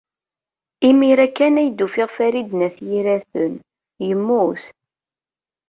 Imir-a kan ay d-ufiɣ Farid n At Yiraten. Yemmut.